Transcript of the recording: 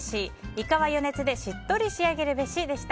イカは余熱でしっとり仕上げるべしでした。